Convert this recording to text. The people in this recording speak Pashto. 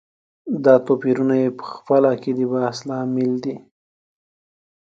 دا توپيرونه یې خپله کې د بحث لامل کېږي.